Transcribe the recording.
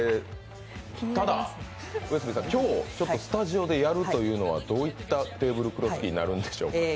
ただ、今日スタジオでやるというのはどういったテーブルクロス引きをやるんでしょうか？